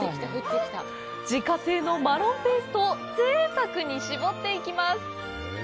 自家製のマロンペーストをぜいたくに絞っていきます。